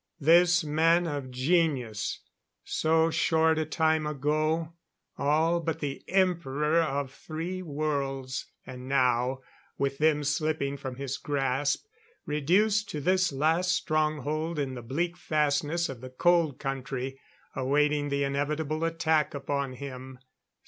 This man of genius so short a time ago all but the Emperor of three worlds. And now, with them slipping from his grasp, reduced to this last stronghold in the bleak fastnesses of the Cold Country, awaiting the inevitable attack upon him.